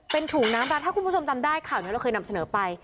เป็นถุงน้ำรัดถ้าคุณผู้ชมจำได้ข่าวนี้เราเคยนำเสนอไป